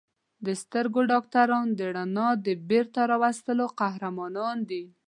د سترګو ډاکټران د رڼا د بېرته راوستلو قهرمانان دي.